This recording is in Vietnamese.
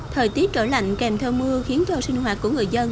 thời tiết trở lạnh kèm theo mưa khiến cho sinh hoạt của người dân